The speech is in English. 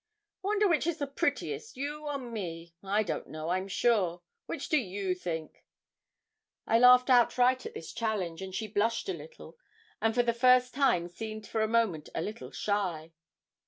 'I wonder which is the prettiest, you or me? I don't know, I'm sure which do you think?' I laughed outright at this challenge, and she blushed a little, and for the first time seemed for a moment a little shy.